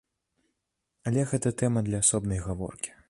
Але гэта тэма для асобнай гаворкі.